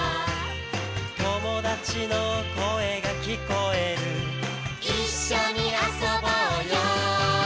「友達の声が聞こえる」「一緒に遊ぼうよ」